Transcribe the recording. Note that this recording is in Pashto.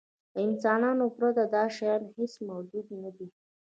له انسانانو پرته دا شیان هېڅ موجود نهدي.